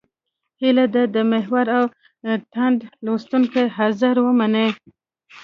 هیله ده د محور او تاند لوستونکي عذر ومني.